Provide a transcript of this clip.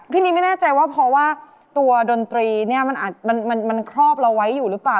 นี้ไม่แน่ใจว่าเพราะว่าตัวดนตรีเนี่ยมันครอบเราไว้อยู่หรือเปล่า